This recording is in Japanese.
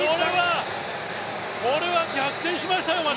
これは逆転しましたよ、また。